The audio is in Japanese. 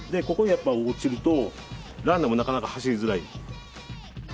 ここにやっぱ落ちるとランナーもなかなか走りづらい。